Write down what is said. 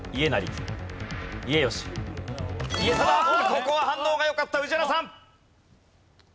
ここは反応がよかった宇治原さん。